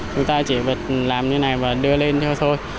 chúng ta chỉ phải làm như này và đưa lên thôi